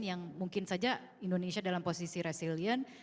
yang mungkin saja indonesia dalam posisi resilient